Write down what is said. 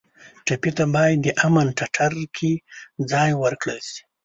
ټپي ته باید د امن ټټر کې ځای ورکړل شي.